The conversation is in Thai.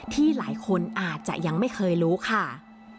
ที่หลายคนอาจจะยังไม่เคยรู้ค่ะ